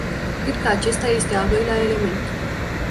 Cred că acesta este al doilea element.